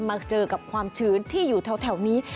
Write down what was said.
มาเจอกับความชื้นที่อยู่แถวนี้